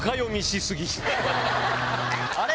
あれ？